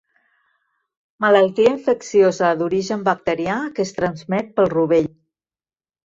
Malaltia infecciosa d'origen bacterià que es transmet pel rovell.